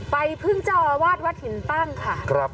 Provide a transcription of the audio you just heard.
พึ่งเจ้าอาวาสวัดหินตั้งค่ะ